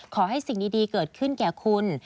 ขอให้สิ่งดีเกิดขึ้นแก่คุณ